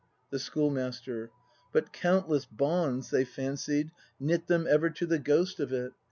The Schoolmaster. But countless bonds, they fancied, knit Them ever to the ghost of it.